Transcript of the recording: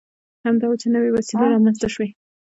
همدا و چې نوې وسیلې رامنځته شوې.